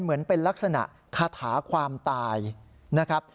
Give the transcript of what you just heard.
เหมือนเป็นลักษณะคาถาความตายนะครับ